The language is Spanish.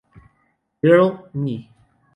Girl", "Me!